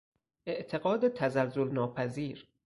اعتقاد تزلزل ناپذیر